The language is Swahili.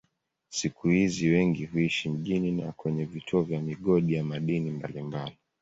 Siku hizi wengi huishi mjini na kwenye vituo vya migodi ya madini mbalimbali.